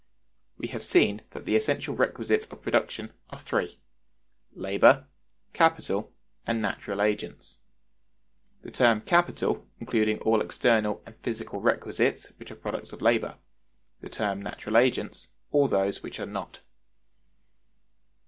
We have seen that the essential requisites of production are three—labor, capital, and natural agents; the term capital including all external and physical requisites which are products of labor, the term natural agents all those which are not.